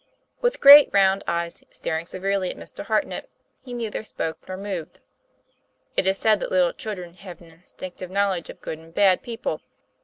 With his great, round eyes staring severely on Mr. Hartnett, he neither spoke nor moved. It is said that little children have an instinctive knowledge of good and bad peo ple.